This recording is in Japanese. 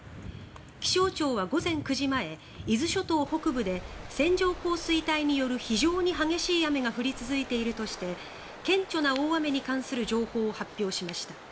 気象庁は午前９時前伊豆諸島北部で線状降水帯による非常に激しい雨が降り続いているとして顕著な大雨に関する情報を発表しました。